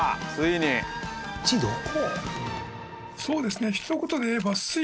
そうですね。